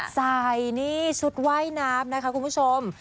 ใส่ชุดไว้นับนะคะคุณผู้ชม